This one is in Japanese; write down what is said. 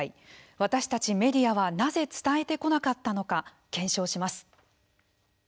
私たちメディアはなぜ伝えてこなかったのか検証します。